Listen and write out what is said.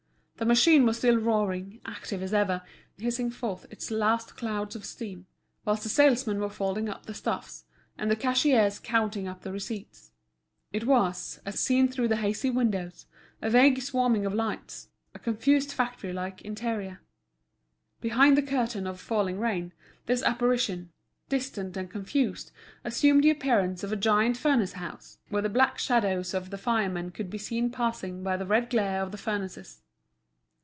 The machine was still roaring, active as ever, hissing forth its last clouds of steam; whilst the salesmen were folding up the stuffs, and the cashiers counting up the receipts. It was, as seen through the hazy windows, a vague swarming of lights, a confused factory like interior. Behind the curtain of falling rain, this apparition, distant and confused, assumed the appearance of a giant furnace house, where the black shadows of the firemen could be seen passing by the red glare of the furnaces.